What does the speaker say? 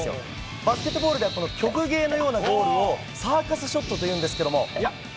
バスケットボールでは曲芸のようなゴールをサーカスショットと言うんですけど。